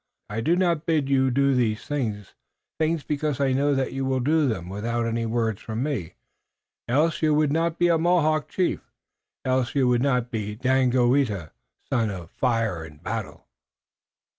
I do not bid you do these things because I know that you will do them without any words from me, else you would not be a Mohawk chief, else you would not be Daganoweda, son of fire and battle."